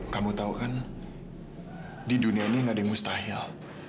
kamu tahu kan di dunia ini gak ada yang mustahil